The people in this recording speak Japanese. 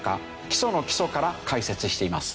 基礎の基礎から解説しています。